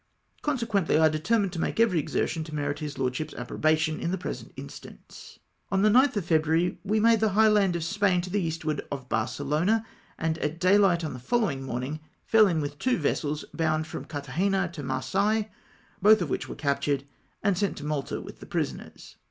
Consequently, I determined to make every exertion to merit liis lordship's approbation in the present instance. On the 9 th of February we made the high land of Spain to the eastward of Barcelona, and at dayhght on the foUo^vino; morning fell in with two vessels bound from Carthagena to Marseilles, both of which were captured and sent to Malta with the prisoners.